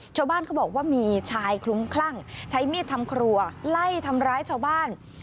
ชาวบ้านเขาบอกว่ามีชายคลุ้มคลั่งใช้มีดทำครัวไล่ทำร้ายชาวบ้าน